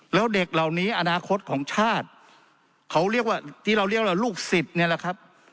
แล้วเด็กเหล่านี้อนาคตของชาติเขาเรียกว่าที่เราเรียกว่าลูกศิษย์เนี่ยแหละครับ